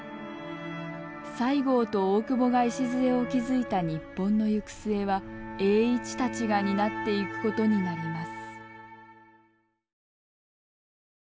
西郷と大久保が礎を築いた日本の行く末は栄一たちが担っていくことになります。